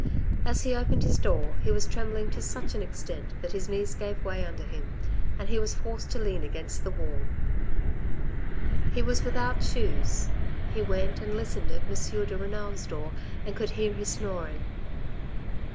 As he opened his door, he was trembling to such an extent that his knees gave way under him, and he was forced to lean against the wall. THE COCK'S SONG 91 He was without shoes ; he went and listened at M. de Renal's door, and could hear his snoring.